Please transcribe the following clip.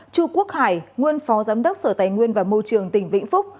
chu quốc hải nguyên phó giám đốc sở tài nguyên và môi trường tỉnh vĩnh phúc